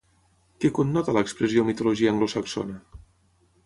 Què connota l'expressió mitologia anglosaxona?